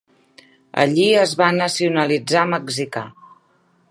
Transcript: Allí es va nacionalitzar mexicà.